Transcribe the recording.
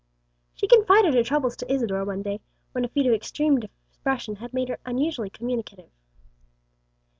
She confided her trouble to Isadore one day, when a fit of extreme depression had made her unusually communicative.